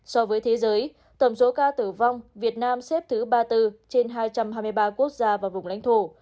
so với thế giới tổng số ca tử vong việt nam xếp thứ ba mươi bốn trên hai trăm hai mươi ba quốc gia và vùng lãnh thổ